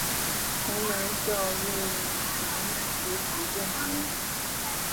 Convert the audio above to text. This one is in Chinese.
城门校尉岑起举荐马融。